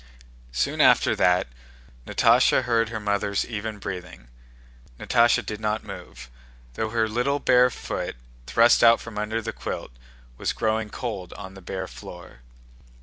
Soon after that Natásha heard her mother's even breathing. Natásha did not move, though her little bare foot, thrust out from under the quilt, was growing cold on the bare floor.